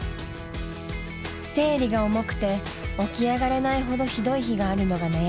生理が重くて起き上がれないほどひどい日があるのが悩み。